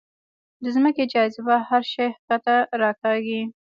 د ځمکې جاذبه هر شی ښکته راکاږي.